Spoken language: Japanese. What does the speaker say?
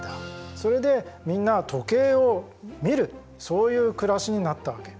それでみんな時計を見るそういう暮らしになったわけ。